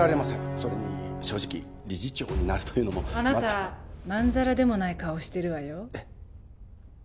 それに正直理事長になるというのもあなたまんざらでもない顔してるわよえっ？